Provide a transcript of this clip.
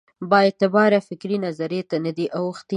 بااعتبارې فکري نظریې ته نه ده اوښتې.